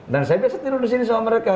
dan saya biasa tidur disini sama mereka